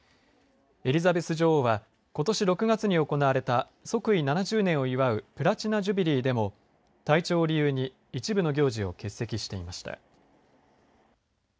エリザベス女王はことし６月に行われた即位７０年を祝うプラチナ・ジュビリーでも体調を理由に一部の行事を欠席していました。